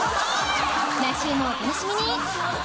来週もお楽しみに！